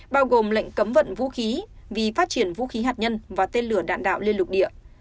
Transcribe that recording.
bao gồm lệnh cấm vận vũ khí vì phát triển vũ khí hạt nhân và tên lửa đạn đạo liên lục địa